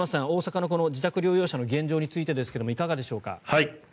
大阪の自宅療養者の現状についていかがでしょうか。